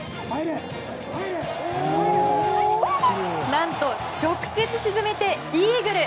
なんと直接沈めてイーグル。